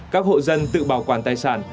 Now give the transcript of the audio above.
các hộ dân tự bảo quản tài sản